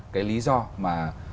cái lý do mà